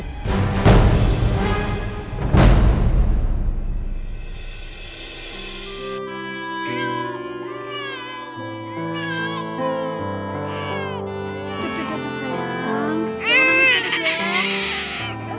jatuh jatuh sayang